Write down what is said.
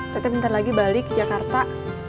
tetep ntar lagi balik ke jakarta